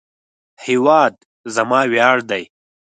هیواد زما ویاړ دی